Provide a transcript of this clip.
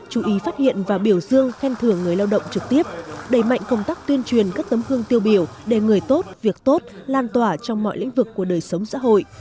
chú ý phát hiện và biểu dương khen thưởng người lao động trực tiếp đẩy mạnh công tác tuyên truyền các tấm gương tiêu biểu để người tốt việc tốt lan tỏa trong mọi lĩnh vực của đời sống xã hội